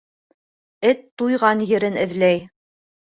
Эт туйған ерен эҙләй